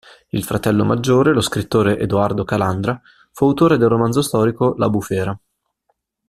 Il fratello maggiore, lo scrittore Edoardo Calandra, fu autore del romanzo storico "La bufera".